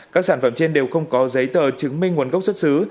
các sản phẩm trên đều không có giấy tờ chứng minh nguồn gốc xuất xứ